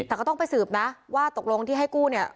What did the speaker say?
แต่ก็ต้องไปสืบนะว่าตกลงที่ให้กู้เนี่ย